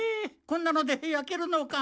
こんなので焼けるのか？